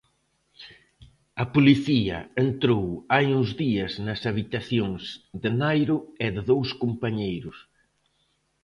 A policía entrou hai uns días nas habitacións de Nairo e de dous compañeiros.